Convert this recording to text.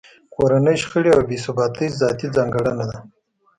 کورنۍ شخړې او بې ثباتۍ ذاتي ځانګړنه ده.